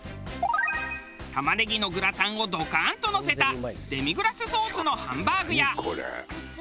玉ねぎのグラタンをドカーンとのせたデミグラスソースのハンバーグや。